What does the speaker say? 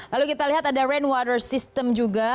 lalu kita lihat ada rain water system juga